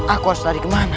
aku harus lari kemana